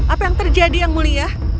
apa yang terjadi yang mulia